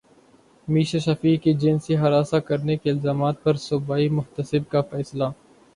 میشا شفیع کے جنسی ہراساں کرنے کے الزامات پر صوبائی محتسب کا فیصلہ